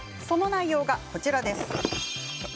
その内容がこちらです。